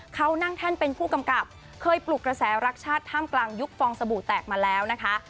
เขานั่งแท่นเป็นผู้กำกับเคยปลุกกระแสรักชาติท่ามกลางยุคฟองสบู่แตกมาแล้วนะคะ